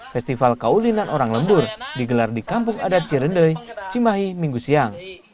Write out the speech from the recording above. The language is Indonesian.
festival kaulinan orang lembur digelar di kampung adat cirende cimahi minggu siang